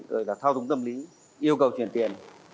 rồi là thao túng tâm lý yêu cầu truyền tiền